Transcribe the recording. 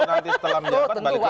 atau nanti setelah menyapa balik lagi